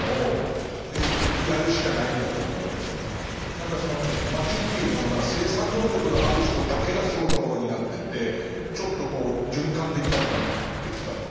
何かその街というものが生産能力のある人だけが住むところになっててちょっとこう循環できなくなってきたので。